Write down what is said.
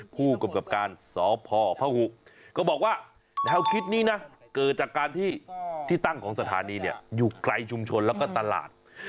ผู้กำกับการสพพหุก็บอกว่าแนวคิดนี้นะเกิดจากการที่ที่ตั้งของสถานีเนี่ยอยู่ไกลชุมชนแล้วก็ตลาด